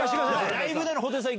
ライブの布袋さん